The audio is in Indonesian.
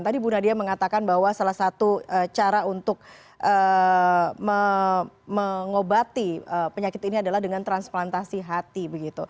tadi bu nadia mengatakan bahwa salah satu cara untuk mengobati penyakit ini adalah dengan transplantasi hati